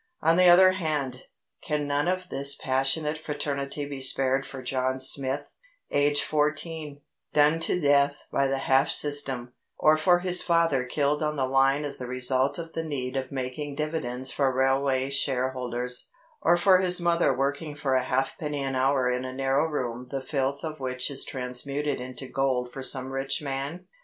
On the other hand, can none of this passionate fraternity be spared for John Smith, aged fourteen, done to death by the half time system, or for his father killed on the line as the result of the need of making dividends for railway shareholders, or for his mother working for a halfpenny an hour in a narrow room the filth of which is transmuted into gold for some rich man?